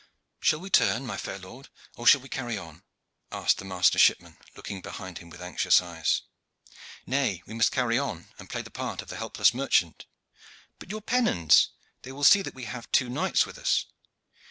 "Shall we turn, my fair lord, or shall we carry on?" asked the master shipman, looking behind him with anxious eyes. "Nay, we must carry on and play the part of the helpless merchant." "But your pennons? They will see that we have two knights with us."